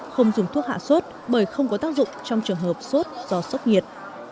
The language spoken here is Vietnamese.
không dùng thuốc hạ sốt bởi không có tác dụng trong trường hợp sốt do sốc nhiệt